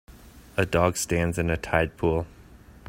A dog stands in a tide pool